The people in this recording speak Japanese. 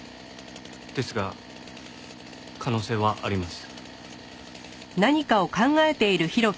ですが可能性はあります。